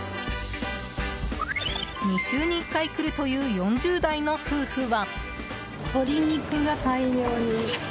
２週に一回来るという４０代の夫婦は。